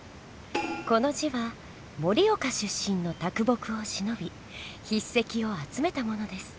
この字は盛岡出身の木をしのび筆跡を集めたものです。